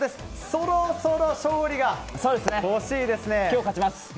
そろそろ勝利が欲しいですね。